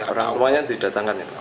orang tuanya tidak datangkan